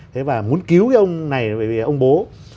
thế và muốn cứu cái ông này bởi vì ông bố